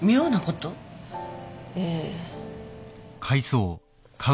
ええ。